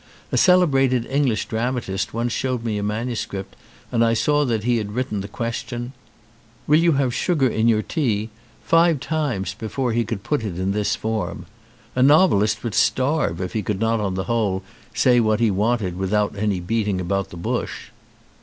A celebrated English dramatist once showed me a manuscript and I saw that he had written the question: will you have sugar in your tea, five times before he could put it in this form. A novelist would starve if he could not on the whole say what he wanted to without any beating about the bush."